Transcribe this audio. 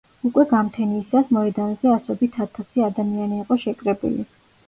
უკვე გამთენიისას მოედანზე ასობით ათასი ადამიანი იყო შეკრებილი.